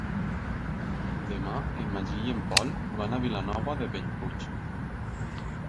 Demà en Magí i en Pol van a Vilanova de Bellpuig.